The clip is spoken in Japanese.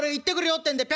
ってんでぴ